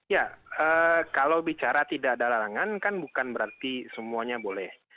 ya kalau bicara tidak ada larangan kan bukan berarti semuanya boleh